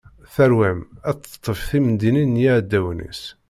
Tarwa-m ad teṭṭef timdinin n yiɛdawen-is!